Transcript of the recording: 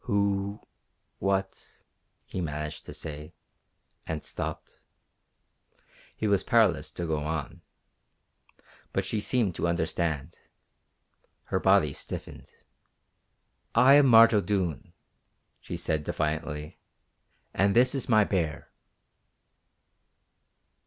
"Who ... what ..." he managed to say; and stopped. He was powerless to go on. But she seemed to understand. Her body stiffened. "I am Marge O'Doone," she said defiantly, "and this is my bear!"